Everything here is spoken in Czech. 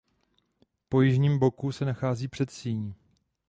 Po jižním boku se nachází předsíň.